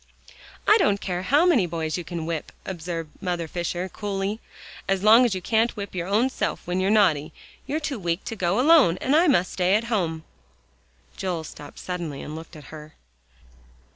"I don't care how many boys you can whip," observed Mother Fisher coolly, "as long as you can't whip your own self when you're naughty, you're too weak to go alone, and I must stay at home." Joel stopped suddenly and looked at her.